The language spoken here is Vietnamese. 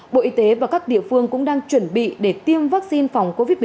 bộ y tế và các địa phương cũng đang chuẩn bị để tiêm vaccine phòng covid một mươi chín